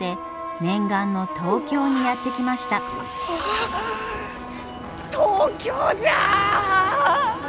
ああ東京じゃ！